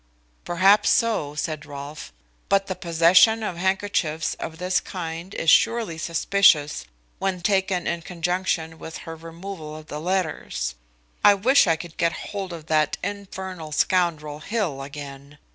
"Perhaps so," said Rolfe, "but the possession of handkerchiefs of this kind is surely suspicious when taken in conjunction with her removal of the letters. I wish I could get hold of that infernal scoundrel Hill again.